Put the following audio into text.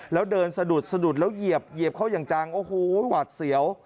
แล้วเดินสะดุดสะดุดแล้วเหยียบเขาอย่างจังโอ้โหหวัดเสียว